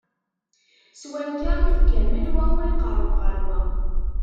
S wakka iḍ kamel, wa ur iqerreb ɣer wa.